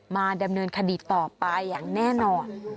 มาดำเนินคดีต่อไปอย่างแน่นอน